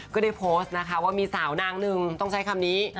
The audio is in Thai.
ก็ได้โพสต์นะคะว่ามีสาวนางหนึ่งต้องใช้คำนี้